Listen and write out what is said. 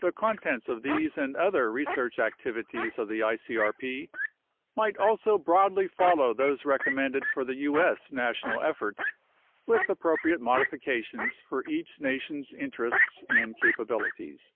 The contents of these and other research activities of the icrp might also broadly follow those recommended for the U.S. national effort, with appropriate modifications for each nation's interests and capabilities.